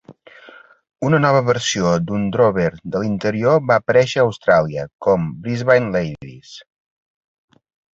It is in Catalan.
Una nova versió d'un drover de l'interior va aparèixer a Austràlia com "Brisbane Ladies".